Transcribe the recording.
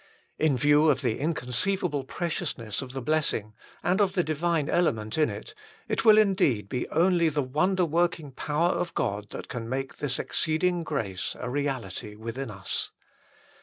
In view of the inconceivable preciousness of the blessing, and of the divine element in it, it will indeed be only the wonder working power of God that can make this exceeding grace a reality within us.